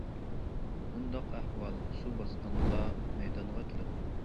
بۇنداق ئەھۋال سۇ باسقاندىلا مەيدانغا كېلىدۇ.